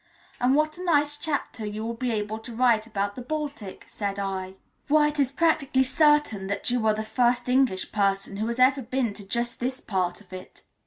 "And what a nice chapter you will be able to write about the Baltic," said I. "Why, it is practically certain that you are the first English person who has ever been to just this part of it."